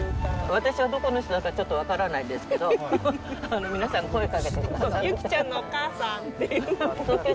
私はどこの人だかちょっと分からないですけど、皆さん声かけてくださる。